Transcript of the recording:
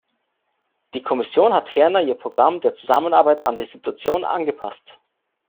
Die Kommission hat ferner ihr Programm der Zusammenarbeit an die Situation angepasst.